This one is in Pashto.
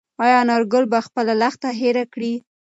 ایا انارګل به خپله لښته هېره کړي؟